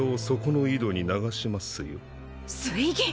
水銀！？